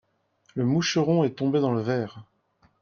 le moucheron est tombé dans le verre.